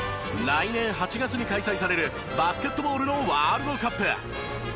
来年８月に開催されるバスケットボールのワールドカップ。